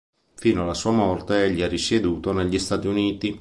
Fino alla sua morte, egli ha risieduto negli Stati Uniti.